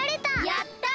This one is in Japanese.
やった！